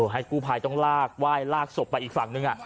ให้กู้ภายต้องว่ายลากศพไปอีกฝั่งหนึ่ง